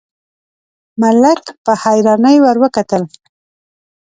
ملک په حيرانۍ ور وکتل: